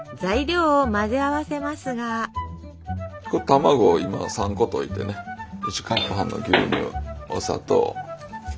卵を今３個といてね１カップ半の牛乳お砂糖。